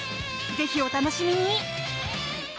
ぜひお楽しみに！